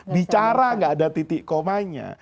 bicara nggak ada titik komanya